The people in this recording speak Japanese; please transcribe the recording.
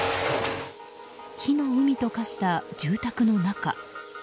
火の海と化した住宅の中。